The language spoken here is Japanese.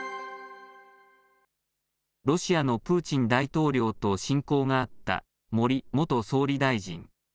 ロシアのプーチン大統領と親交があった森元総理大臣。